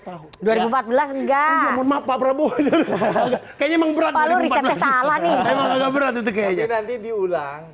tahun dua ribu empat belas ga mau n maps prabowo v dua kayaknya memperoleh psala throne bukan berat hati kayaknya